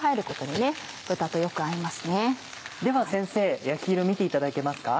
では先生焼き色見ていただけますか？